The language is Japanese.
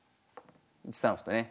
１三歩とね。